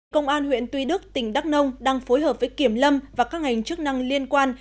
công an huyện tuy đức tỉnh đắk nông đang phối hợp với kiểm lâm và các ngành chức năng liên quan